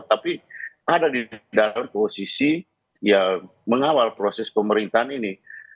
tapi ada di dalam posisi ya mengawal proses pemerintahan ini